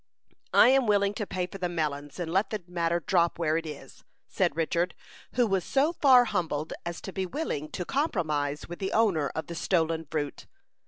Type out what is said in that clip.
"I am willing to pay for the melons, and let the matter drop where it is," said Richard, who was so far humbled as to be willing to compromise with the owner of the stolen fruit.